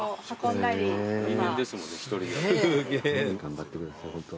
頑張ってくださいホント。